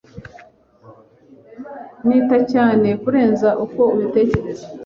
Nita cyane kurenza uko ubitekereza.